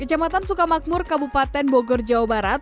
kecamatan sukamakmur kabupaten bogor jawa barat